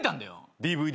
ＤＶＤ。